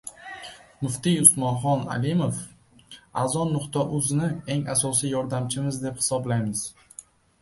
Muftiy Usmonxon Alimov: "Azon.uz’ni eng asosiy yordamchimiz deb hisoblaymiz"